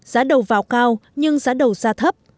giá đầu vào cao nhưng giá đầu ra thấp